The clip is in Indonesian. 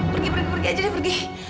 pergi pergi aja deh pergi